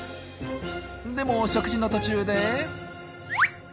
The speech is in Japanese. でも食事の途中で。